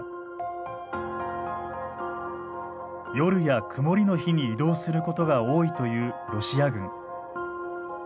夜や曇りの日に移動することが多いというロシア軍。